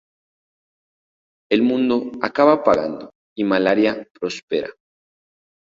El mundo acaba pagando y Malaria prospera.